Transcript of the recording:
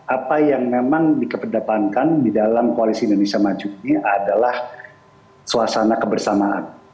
apa yang memang dikedepankan di dalam koalisi indonesia maju ini adalah suasana kebersamaan